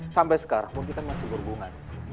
sampai sekarang pun kita masih berhubungan